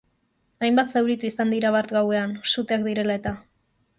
Hainbat zauritu izan dira bart gauean, suteak direla eta.